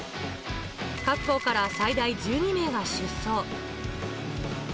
各校から最大１２名が出走。